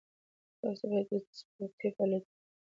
تاسو باید د سپورټي فعالیتونو لپاره وخت ځانګړی کړئ.